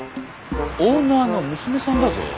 オーナーの娘さんだぞ。